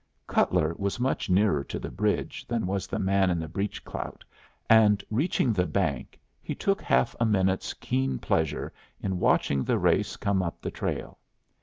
Cutler was much nearer to the bridge than was the man in the breech clout, and reaching the bank, he took half a minute's keen pleasure in watching the race come up the trail.